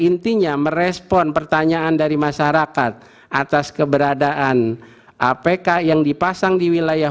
intinya merespon pertanyaan dari masyarakat atas keberadaan apk yang dipasang di wilayah